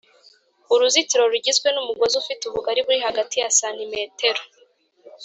Uruzitiro rugizwe n umugozi ufite ubugari buri hagati ya santimetero